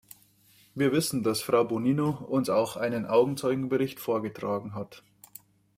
Wir wissen, dass Frau Bonino uns auch einen Augenzeugenbericht vorgetragen hat.